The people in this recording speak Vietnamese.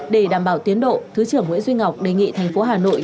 để đảm bảo tiến độ thứ trưởng nguyễn duy ngọc đề nghị thành phố hà nội